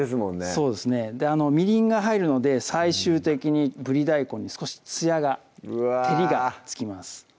そうですねみりんが入るので最終的に「ブリ大根」に少しつやが照りがつきます